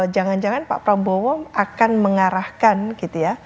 jangan jangan pak prabowo akan mengarahkan gitu ya